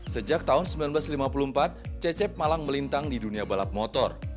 sejak tahun seribu sembilan ratus lima puluh empat cecep malang melintang di dunia balap motor